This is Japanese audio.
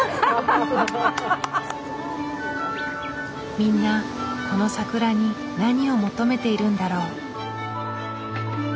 みんなこの桜に何を求めているんだろう。